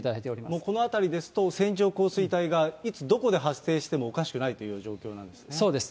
もうこの辺りですと、線状降水帯がいつどこで発生してもおかしくないというような状況そうです。